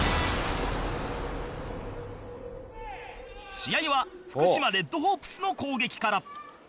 試合は福島レッドホープスの攻撃から